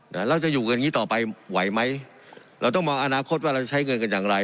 เราจะอยู่กันอย่างงี้ต่อไปไหวไหมเราต้องมองอนาคตว่าเราจะใช้เงินกันอย่างไร